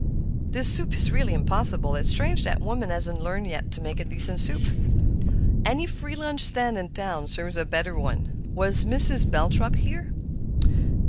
"This soup is really impossible; it's strange that woman hasn't learned yet to make a decent soup. Any free lunch stand in town serves a better one. Was Mrs. Belthrop here?"